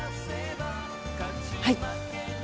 はい。